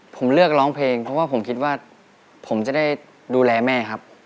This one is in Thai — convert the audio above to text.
ผมเลือกร้องเพลงเพราะผมคิดว่าต้องดูแลแม่ครับ